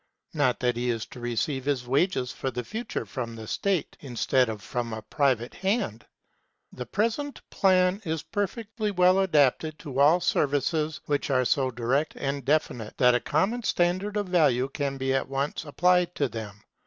Not that he is to receive his wages for the future from the State instead of from a private hand. The present plan is perfectly well adapted to all services which are so direct and definite, that a common standard of value can be at once applied to them.